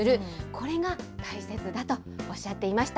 これが大切だとおっしゃっていました。